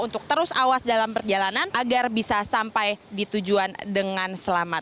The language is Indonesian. untuk terus awas dalam perjalanan agar bisa sampai di tempat yang diperlukan